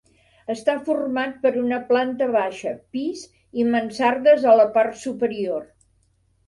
Està format per una planta baixa, pis i mansardes a la part superior.